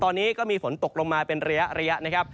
ตอนนี้ก็มีฝนตกลงมาเป็นระยะ